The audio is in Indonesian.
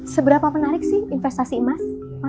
seberapa menarik sih investasi emas